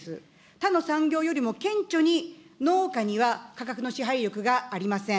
他の産業よりも顕著に農家には価格の支配力がありません。